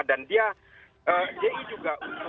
dan dia ji juga untuk menopang pendanaan organisasi yang tersebut